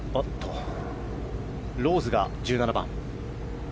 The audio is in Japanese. ローズ、１７番。